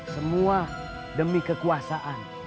semua demi kekuasaan